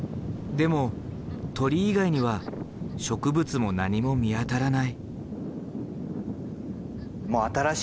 でも鳥以外には植物も何も見当たらない。